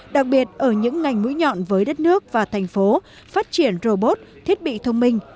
đặc biệt ở những ngành mũi nhọn với đất nước và thành phố phát triển robot thiết bị thông minh